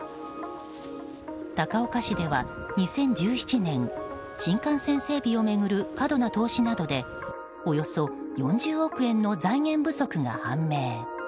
高岡市では２０１７年新幹線整備を巡る過度な投資などでおよそ４０億円の財源不足が判明。